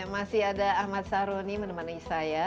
masih ada ahmad saroni menemani saya